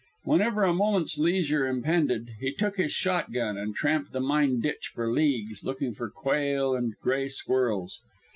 Whenever a moment's leisure impended, he took his shotgun and tramped the mine ditch for leagues, looking for quail and gray squirrels.